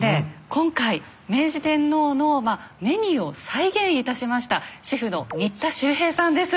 今回明治天皇のメニューを再現いたしましたシェフの新田周平さんです。